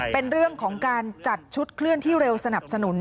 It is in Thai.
เป็นเรื่องของการจัดชุดเคลื่อนที่เร็วสนับสนุน